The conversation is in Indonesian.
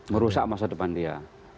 merusak masa depan dia